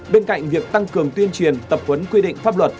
bên cạnh việc tăng cường tuyên truyền tập huấn quy định pháp luật